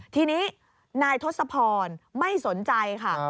ทีนี้นายทศพรไม่สนใจค่ะ